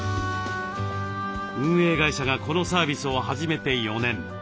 運営会社がこのサービスを始めて４年。